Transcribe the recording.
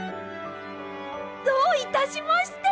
どういたしまして！